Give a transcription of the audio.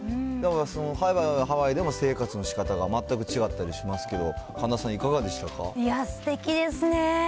そのハワイはハワイでも生活のしかたが全く違ったりしますけど、すてきですね。